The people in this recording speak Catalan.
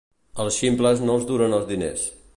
Els ximples no els duren els diners.